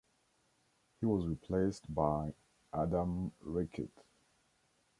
He was replaced by Adam Rickitt.